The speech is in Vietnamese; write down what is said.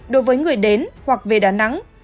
đối với người đến hoặc về đà nẵng